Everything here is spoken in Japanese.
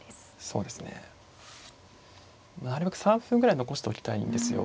そうですね。なるべく３分ぐらい残しておきたいんですよ。